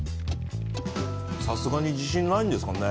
さすがに自信ないんですかね？